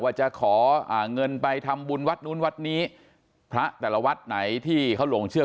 ว่าจะขอเงินไปทำบุญวัดนู้นวัดนี้พระแต่ละวัดไหนที่เขาหลงเชื่อ